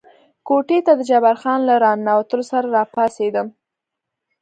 کوټې ته د جبار خان له را ننوتلو سره را پاڅېدم.